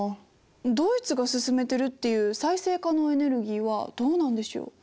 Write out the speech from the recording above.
ドイツが進めてるっていう再生可能エネルギーはどうなんでしょう？